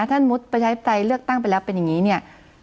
ถ้ามุติประชาธิปไตยเลือกตั้งไปแล้วเป็นอย่างนี้เนี่ย